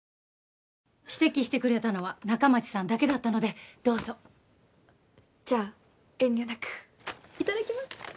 指摘してくれたのは仲町さんだけだったのでどうぞじゃあ遠慮なくいただきます